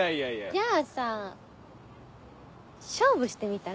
じゃあさ勝負してみたら？